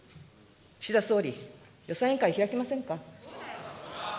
岸田総理、予算委員会開きませんか。